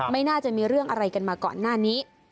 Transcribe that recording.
ไม่น่าจะมีเรื่องอะไรกันมาก่อนหน้านี้